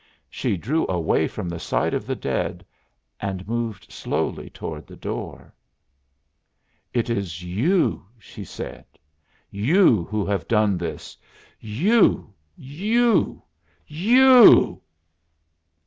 She drew away from the side of the dead and moved slowly toward the door. "It is you," she said "you who have done this. You you you!"